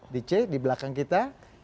di belakang kita